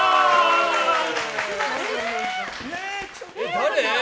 誰？